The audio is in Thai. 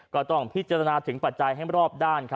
ก็ต้องพิจารณาถึงปัจจัยให้รอบด้าน